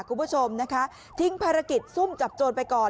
คุณผู้ชมนะคะทิ้งภารกิจซุ่มจับโจรไปก่อน